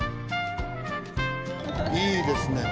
いいですね！